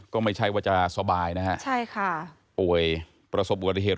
ก็ไม่ใช่ว่าจะสบายนะฮะ